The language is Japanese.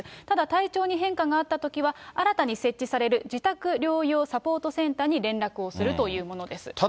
ただ体調に変化があったときは、新たに設置される、自宅療養サポートセンターに連絡をするというものです。